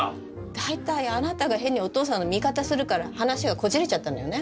大体あなたが変にお父さんの味方するから話がこじれちゃったのよね。